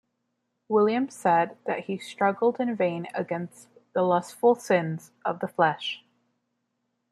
William said that he struggled in vain against the lustful sins of the flesh.